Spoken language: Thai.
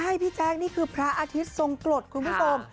ใช่พี่แจ๊คนี่คือพระอาทิตย์ทรงกรดคุณผู้ชม